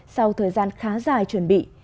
sau thời gian khá dài chuẩn bị